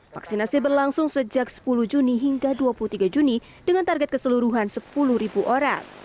vaksinasi berlangsung sejak sepuluh juni hingga dua puluh tiga juni dengan target keseluruhan sepuluh orang